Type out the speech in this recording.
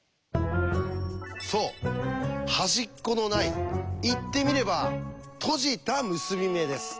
そう端っこのない言ってみれば閉じた結び目です。